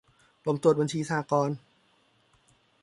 กรมตรวจบัญชีสหกรณ์